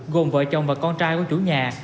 gồm vợ chồng và con trai của chủ nhà